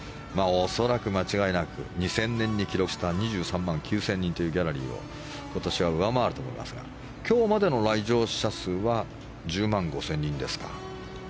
恐らく、間違いなく２０００年に記録した２３万９０００人というギャラリーを今年は上回ると思いますが今日までの来場者数は１０万５０００人ですか。